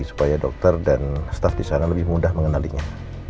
supaya dokter dan staff disana lebih mudah mengenalinya